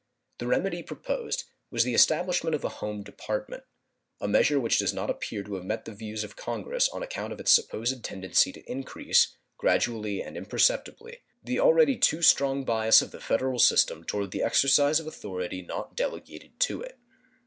The remedy proposed was the establishment of a home department a measure which does not appear to have met the views of Congress on account of its supposed tendency to increase, gradually and imperceptibly, the already too strong bias of the federal system toward the exercise of authority not delegated to it.